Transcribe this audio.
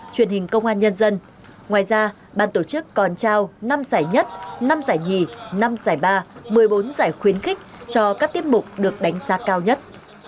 truyền hình công an nhân dân ngoài ra ban tổ chức còn trao năm giải nhất năm giải nhì năm giải ba một mươi bốn giải khuyến khích cho các tiết mục được đánh giá cao nhất